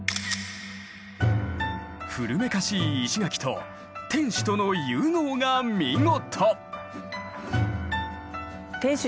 古めかしい石垣と天守との融合が見事。